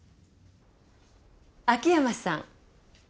秋山さん。